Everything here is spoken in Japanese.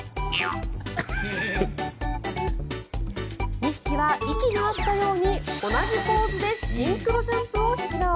２匹は息が合ったように同じポーズでシンクロジャンプを披露。